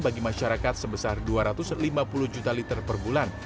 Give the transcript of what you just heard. bagi masyarakat sebesar dua ratus lima puluh juta liter per bulan